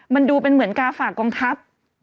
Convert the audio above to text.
มันดูเป็นเหมือนกาฝากกองทัพ